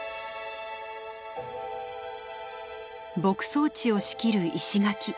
牧草地を仕切る石垣。